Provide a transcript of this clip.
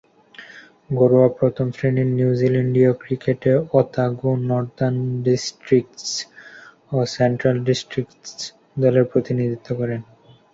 ঘরোয়া প্রথম-শ্রেণীর নিউজিল্যান্ডীয় ক্রিকেটে ওতাগো, নর্দার্ন ডিস্ট্রিক্টস ও সেন্ট্রাল ডিস্ট্রিক্টস দলের প্রতিনিধিত্ব করেন।